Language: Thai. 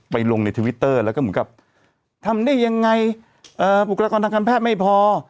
ไปลงในทวิตเตอร์แล้วก็ผมก็ทำได้ยังไงปรุกรกรทางคำแพทย์ไม่พอ